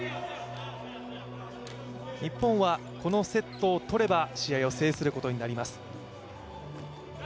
日本はこのセットを取れば試合を制することになります。